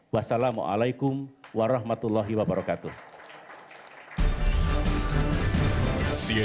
wassalamualaikum warahmatullahi wabarakatuh